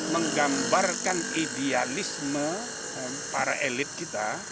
menggambarkan idealisme para elit kita